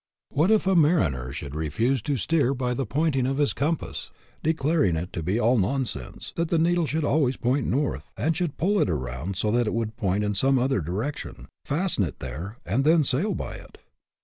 What if a mariner should refuse to steer by the pointing of his compass, declaring it to be all nonsense that the needle should always point north, and should pull it around so that it would point in some other direction, fasten it there, and then sail by it